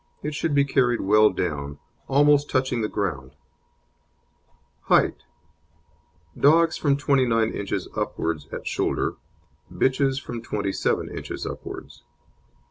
It should be carried well down, almost touching the ground. HEIGHT Dogs from 29 inches upwards at shoulder, bitches from 27 inches upwards.